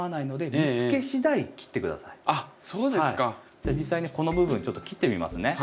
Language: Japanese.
じゃあ実際にこの部分ちょっと切ってみますね。